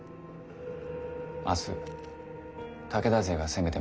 明日武田勢が攻めてまいる。